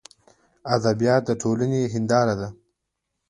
ادبیات دټولني هنداره ده.